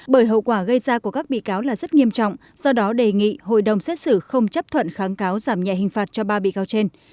bởi hậu quả gây ra của các bị cáo là rất nghiêm trọng do đó đề nghị hội đồng xét xử không chấp thuận kháng cáo giảm nhẹ hình phạt cho ba bị cáo trên